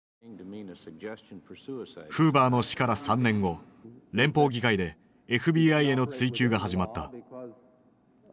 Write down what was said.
フーバーの死から３年後連邦議会でＦＢＩへの追及が始まった。